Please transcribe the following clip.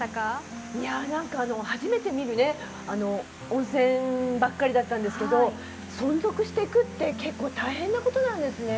いや何か初めて見るね温泉ばっかりだったんですけど存続していくって結構大変なことなんですね。